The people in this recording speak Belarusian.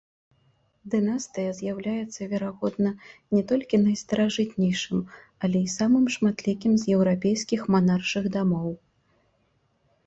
Дынастыя з'яўляецца, верагодна, не толькі найстаражытнейшым, але і самым шматлікім з еўрапейскіх манаршых дамоў.